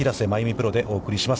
プロでお送りします。